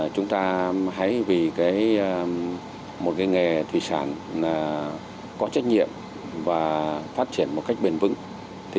chúng ta hãy vì cái một cái nghề thủy sản là có trách nhiệm và phát triển một cách bền vững thì